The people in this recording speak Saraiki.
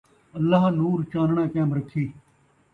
اللہ نور چانݨاں قائم رکھی